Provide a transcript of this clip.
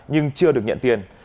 nhưng chưa được nhận tiền